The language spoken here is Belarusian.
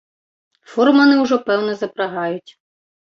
Фурманы ўжо, пэўна, запрагаюць.